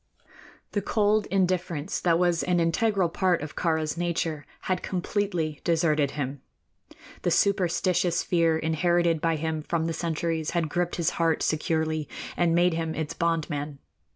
The cold indifference that was an integral part of Kāra's nature had completely deserted him. The superstitious fear inherited by him from the centuries had gripped his heart securely and made him its bond man.